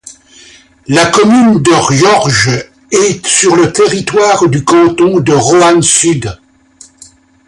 La commune de Riorges est sur le territoire du canton de Roanne-Sud.